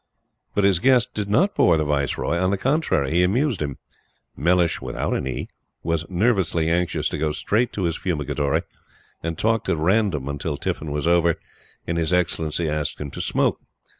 But his guest did not bore the Viceroy. On the contrary, he amused him. Mellish was nervously anxious to go straight to his Fumigatory, and talked at random until tiffin was over and His Excellency asked him to smoke.